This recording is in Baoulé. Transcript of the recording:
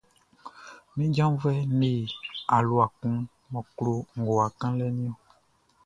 Min janvuɛʼn le alua kun mʼɔ klo ngowa kanlɛʼn niɔn.